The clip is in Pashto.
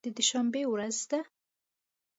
د دوشنبې ورځ وه.